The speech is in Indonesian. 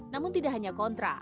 namun tidak hanya kontra